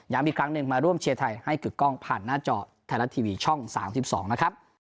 อีกครั้งหนึ่งมาร่วมเชียร์ไทยให้กึกกล้องผ่านหน้าจอไทยรัฐทีวีช่อง๓๒นะครับ